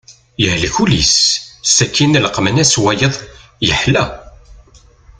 Yehlek ul-is sakin leqmen-as wayeḍ yeḥla.